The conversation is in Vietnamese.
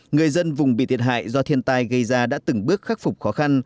người dân vùng bị thiệt hại do thiên tai gây ra đã từng bước khắc phục khó khăn